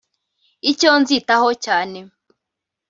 « Icyo nzitaho cyane